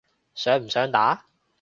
想唔想打？